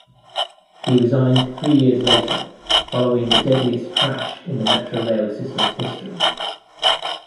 He resigned three years later following the deadliest crash in the Metrorail system's history.